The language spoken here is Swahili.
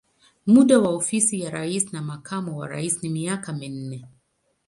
Muda wa ofisi ya rais na makamu wa rais ni miaka minne.